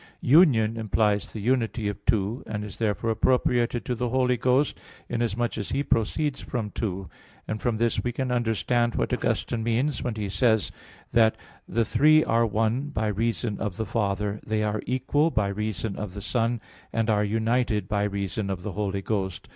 "Union" implies the unity of two; and is therefore appropriated to the Holy Ghost, inasmuch as He proceeds from two. And from this we can understand what Augustine means when he says (De Doctr. Christ. i, 5) that "The Three are one, by reason of the Father; They are equal by reason of the Son; and are united by reason of the Holy Ghost."